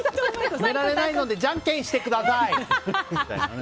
決められないのでじゃんけんしてください！